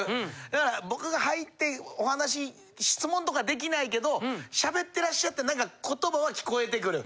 だから僕が入ってお話質問とか出来ないけどしゃべってらっしゃってなんか言葉は聞こえてくる。